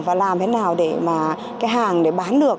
và làm thế nào để mà hàng bán được